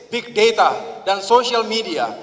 big data dan social media